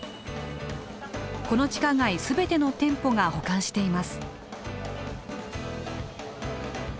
この地下街全ての店舗が保管しています。